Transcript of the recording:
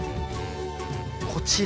こちら。